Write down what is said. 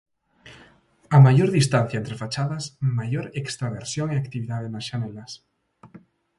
A maior distancia entre fachadas, maior extraversión e actividade nas xanelas.